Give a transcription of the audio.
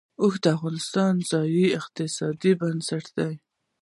اوښ د افغانستان د ځایي اقتصادونو بنسټ دی.